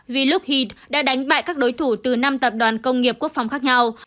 vì luke heath đã đánh bại các đối thủ từ năm tập đoàn công nghiệp quốc phòng khác nhau